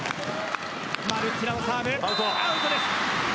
マルッティラのサーブアウトです。